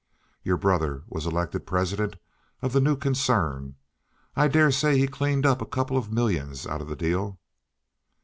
Your brother was elected president of the new concern. I dare say he cleaned up a couple of millions out of the deal."